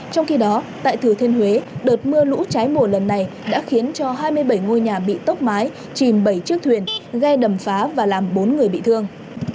trong khi đó tại thừa thiên huế đợt mưa lũ trái mùa lần này đã khiến cho hai mươi bảy ngôi nhà bị tốc mái chìm bảy chiếc thuyền ghe đầm phá và làm bốn người bị thương